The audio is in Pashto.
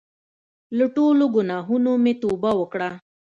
له ټولو ګناهونو مې توبه وکړه.